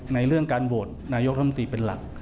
ในเรื่องการโบสถ์นายกธรรมดีเป็นหลัก